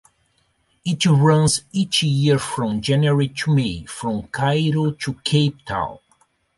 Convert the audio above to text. It runs each year from January to May, from Cairo to Cape Town.